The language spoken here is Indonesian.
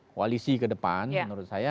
koalisi kedepan menurut saya